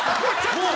もう？